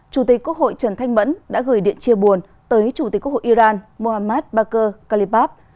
chủ tịch quốc hội trần thanh mẫn đã gửi điện chia buồn tới chủ tịch quốc hội iran mohamed bakr khalifat